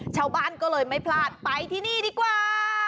ชาวบ้านก็เลยไม่พลาดไปที่นี่ดีกว่า